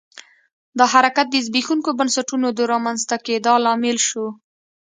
دا حرکت د زبېښونکو بنسټونو د رامنځته کېدا لامل شو.